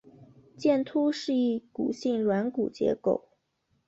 剑突是一骨性软骨结构。